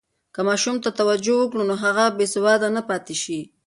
که ماشوم ته توجه وکړو، نو هغه به بې سواده نه پاتې شي.